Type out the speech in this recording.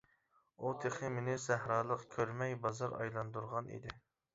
ئۇ تېخى مېنى سەھرالىق كۆرمەي بازار ئايلاندۇرغان ئىدى.